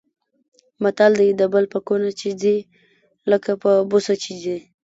متل دی: د بل په کونه چې ځي لکه په بوسو چې ځي.